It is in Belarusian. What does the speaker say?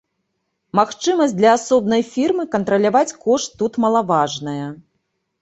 Магчымасць для асобнай фірмы кантраляваць кошт тут малаважная.